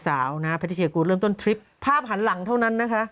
สาวนะแพทย์เซียกู๊ดเรื่องต้นทริปภาพหันหลังเท่านั้นนะคะ